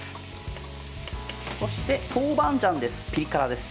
そしてトーバンジャンです。